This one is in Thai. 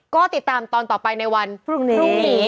ก็ติดตามตอนต่อไปในวันพรุ่งนี้